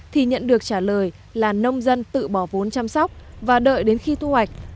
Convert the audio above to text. thì nhận được trả lời là nông dân tự bỏ vốn chăm sóc và đợi đến khi thu hoạch